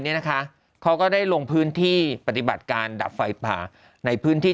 เนี่ยนะคะเขาก็ได้ลงพื้นที่ปฏิบัติการดับไฟป่าในพื้นที่